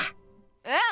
うん。